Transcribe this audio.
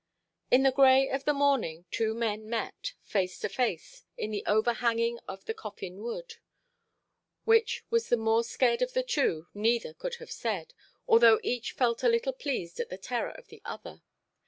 In the grey of the morning, two men met, face to face, in the overhanging of the Coffin Wood. Which was the more scared of the two, neither could have said; although each felt a little pleased at the terror of the other.